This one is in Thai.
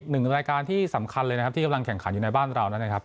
หนึ่งรายการที่สำคัญเลยนะครับที่กำลังแข่งขันอยู่ในบ้านเรานั้นนะครับ